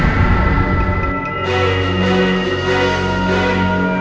tuan tuan tuan tuan tuan tuan